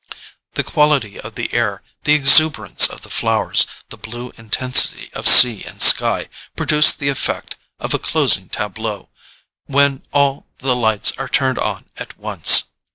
The quality of the air, the exuberance of the flowers, the blue intensity of sea and sky, produced the effect of a closing TABLEAU, when all the lights are turned on at once.